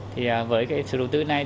thì với cái sự đầu tư này